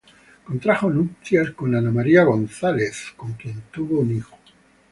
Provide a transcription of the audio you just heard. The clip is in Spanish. Contrajo nupcias con Ana María de González, con quien tuvo un hijo.